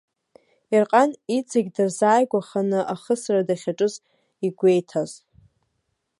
Ерҟан иҵегь дырзааигәаханы ахысра дахьаҿыз игәеиҭаз.